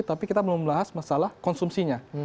tapi kita belum bahas masalah konsumsinya